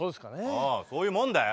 おうそういうもんだよ。